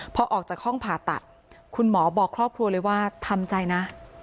พอออกจากห้องผ่าตัดคุณหมอบอกครอบครัวเลยว่าทำใจนะ